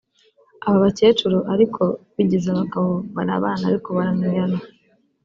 Aba bakecuru ariko bigeze abagabo barabana ariko barananiranwa